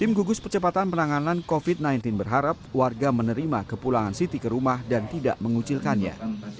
tim gugus percepatan penanganan covid sembilan belas berharap warga menerima kepulangan siti ke rumah dan tidak mengucilkannya